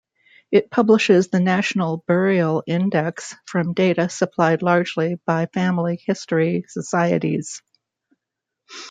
It publishes The National Burial Index from data supplied largely by family history societies.